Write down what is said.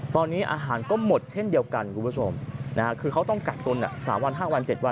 ตอนนี้อาหารก็หมดเช่นเดียวกันคุณผู้ชมคือเขาต้องกักตุ้น๓วัน๕วัน๗วัน